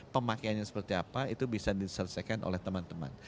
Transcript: pemakaiannya seperti apa itu bisa diselesaikan oleh teman teman